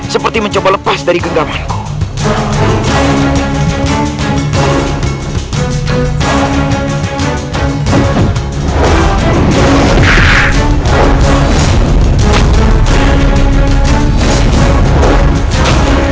seperti mencoba lepas dari genggamnya